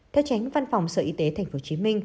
theo tránh văn phòng sở y tế tp hcm